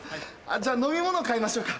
じゃあ飲み物買いましょうか。